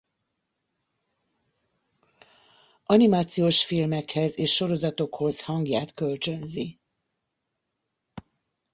Animációs filmekhez és sorozatokhoz hangját kölcsönzi.